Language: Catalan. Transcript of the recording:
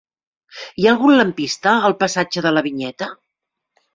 Hi ha algun lampista al passatge de la Vinyeta?